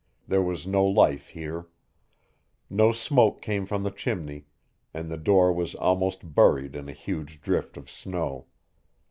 There was no life here. No smoke came from the chimney and the door was almost buried in a huge drift of snow.